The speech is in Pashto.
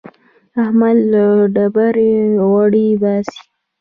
احمد له ډبرې غوړي باسي.